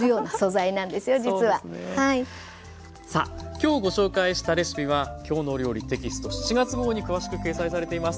きょうご紹介したレシピは「きょうの料理」テキスト７月号に詳しく掲載されています。